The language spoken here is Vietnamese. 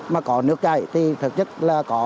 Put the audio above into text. mà có nước chạy thì thực chất là có